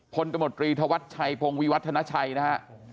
พลตมตรีธวัฒน์ชัยพงวิวัฒนชัยนะครับ